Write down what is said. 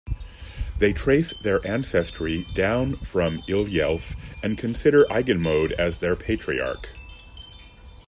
They trace their ancestry down from Ile-Ife and consider Iganmode as their patriarch.